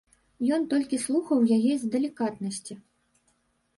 Ён толькі слухаў яе з далікатнасці.